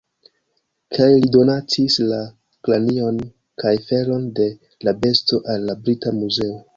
Kaj li donacis la kranion kaj felon de la besto al la Brita Muzeo.